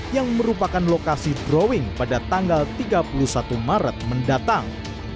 yang merupakan lokasi drawing pada tanggal tiga puluh satu maret mendatang